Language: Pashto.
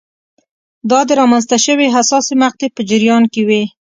دا د رامنځته شوې حساسې مقطعې په جریان کې وې.